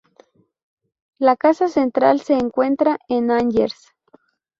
La casa central se encuentra en Angers.